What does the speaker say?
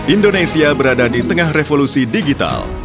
indonesia berada di tengah revolusi digital